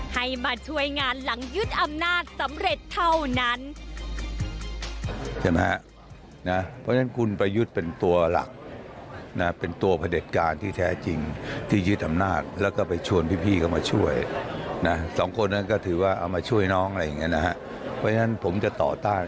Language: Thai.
ให้มาช่วยงานหลังยึดอำนาจสำเร็จเท่านั้น